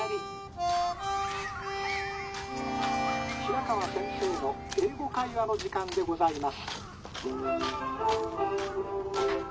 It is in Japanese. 「平川先生の『英語会話』の時間でございます」。